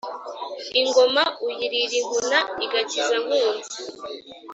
Ingoma uyirira inkuna ,igakiza nkunzi